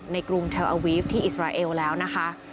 กรุงเทลอาวีฟที่อิสราเอลแล้วนะคะ